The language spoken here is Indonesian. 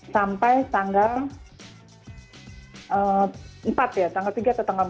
sampai tanggal empat ya tanggal tiga atau tanggal empat